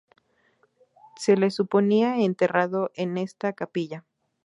Se le suponía enterrado en esta Capilla.